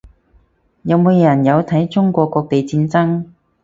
有冇人有睇中國各地抗爭